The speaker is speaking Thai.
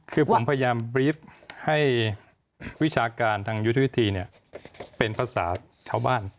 คือผมพยายามบรีดให้วิชาการทางยุทธวิธีเป็นภาษาชาวบ้าน